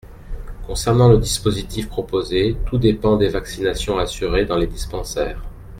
Concernant le dispositif proposé, tout dépend des vaccinations assurées dans les dispensaires.